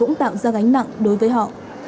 giá gánh nặng đối với họ